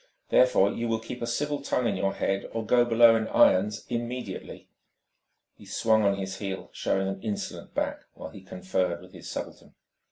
Therefore, you will keep a civil tongue in your head, or go below in irons immediately!" He swung on his heel, showing an insolent back while he conferred with his subaltern.